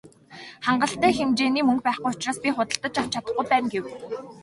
"Хангалттай хэмжээний мөнгө байхгүй учраас би худалдаж авч чадахгүй байна" гэв.